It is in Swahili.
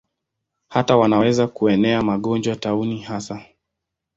Hata wanaweza kuenea magonjwa, tauni hasa.